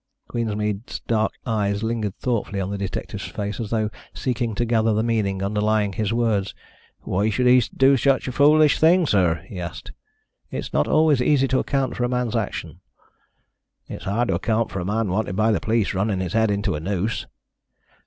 Queensmead's dark eyes lingered thoughtfully on the detective's face, as though seeking to gather the meaning underlying his words. "Why should he do such a foolish thing, sir?" he asked. "It is not always easy to account for a man's actions." "It is hard to account for a man wanted by the police running his head into a noose."